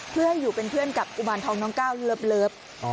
เพื่อให้อยู่เป็นเพื่อนกับกุมารทองน้องก้าวเลิฟ